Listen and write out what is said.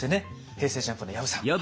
ＪＵＭＰの薮さん。